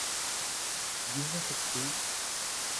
หยิ่งในศักดิ์ศรี